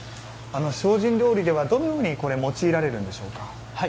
精進料理では、どのように用いられるんでしょうか？